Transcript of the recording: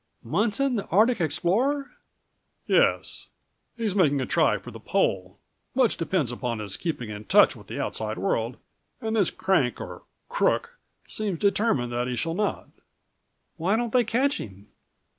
"Munson, the Arctic explorer." "Yes. He's making a try for the Pole. Much depends upon his keeping in touch with the outside world and this crank or crook seems determined that he shall not." "Why don't they catch him?"